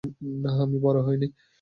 না, আমি বড় হইনি।